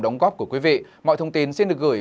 đóng góp của quý vị mọi thông tin xin được gửi